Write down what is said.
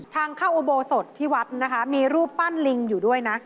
ทางเข้าอุโบสถที่วัดนะคะมีรูปปั้นลิงอยู่ด้วยนะ